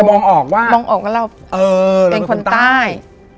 มองออกว่าเราเป็นคนใต้